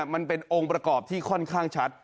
มันเป็นองค์ประกอบที่ค่อนข้างชัด